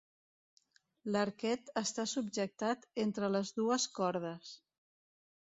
L’arquet està subjectat entre les dues cordes.